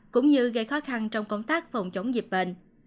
cũng như gây khó khăn trong công tác phòng chống dịch bệnh